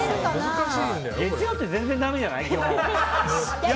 月曜日って全然だめじゃない？